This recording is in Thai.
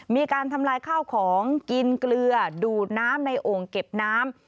มีการทำลายข้าวของกินเกลือดูดน้ำในโอ่งเก็บน้ำ